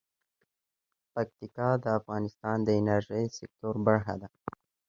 پکتیکا د افغانستان د انرژۍ سکتور برخه ده.